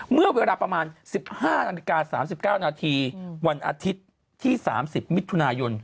เมื่อเวลาประมาณ๑๕นาฬิกา๓๙นาทีวันอาทิตย์ที่๓๐มิถุนายน